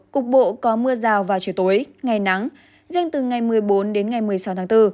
cục bộ có mưa rào vào chiều tối ngày nắng nhanh từ ngày một mươi bốn đến ngày một mươi sáu tháng bốn